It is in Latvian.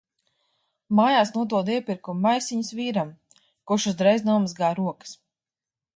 Mājās nododu iepirkumu maisiņus vīram, kurš uzreiz nomazgā rokas.